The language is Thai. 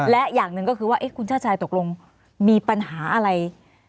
และอย่างหนึ่งก็คือว่าคุณชาติชายตกลงมีปัญหาอะไร